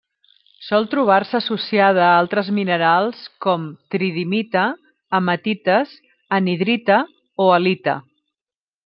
Sol trobar-se associada a altres minerals com: tridimita, hematites, anhidrita o halita.